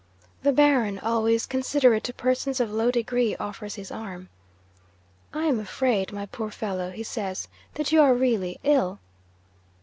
The Baron, always considerate to persons of low degree, offers his arm. "I am afraid, my poor fellow," he says, "that you are really ill."